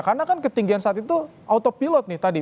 karena kan ketinggian saat itu autopilot nih tadi